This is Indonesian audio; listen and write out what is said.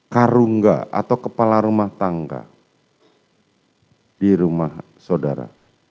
karungga atau kepala rumah tangga di rumah saudara